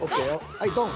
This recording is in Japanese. はいドン！